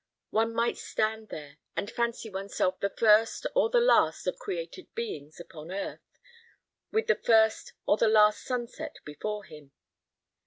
One might stand there, and fancy one self the first or the last of created beings upon earth, with the first or the last sunset before him.